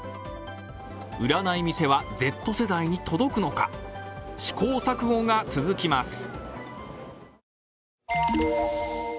売らない店はＺ世代に届くのか試行錯誤が続きます。